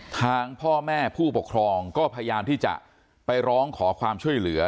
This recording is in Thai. ทางพ่อแม่ผู้ปกครองก็พยายามที่จะไปร้องขอความช่วยเหลือ